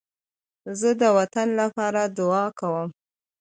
زه د وطن لپاره دعا کوم